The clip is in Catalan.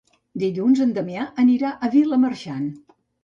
Dilluns en Damià anirà a Vilamarxant.